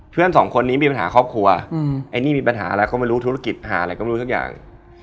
สองคนนี้มีปัญหาครอบครัวไอ้นี่มีปัญหาอะไรก็ไม่รู้ธุรกิจหาอะไรก็ไม่รู้สักอย่าง